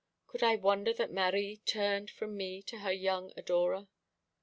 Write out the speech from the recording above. Could I wonder that Marie turned from me to her young adorer?